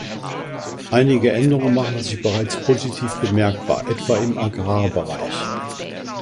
Einige Änderungen machen sich bereits positiv bemerkbar, etwa im Agrarbereich.